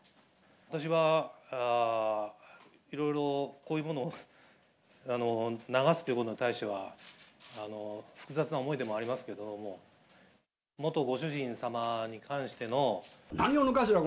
私はいろいろこういうものを流すということに対しては、複雑な思いでもありますけど、元ご主人様に関しての。何をぬかすか！